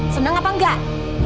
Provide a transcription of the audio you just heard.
seneng apa enggak